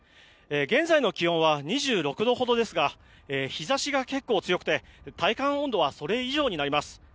現在の気温は２６度ほどですが日差しが結構強くて体感温度はそれ以上になります。